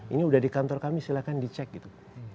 ini udah di kantor kami silahkan dicek gitu